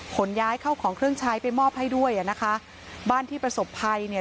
ขนย้ายเข้าของเครื่องใช้ไปมอบให้ด้วยอ่ะนะคะบ้านที่ประสบภัยเนี่ย